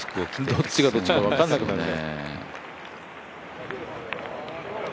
どっちがどっちだか分からなくなるね。